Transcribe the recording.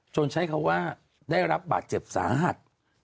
ใช้คำว่าได้รับบาดเจ็บสาหัส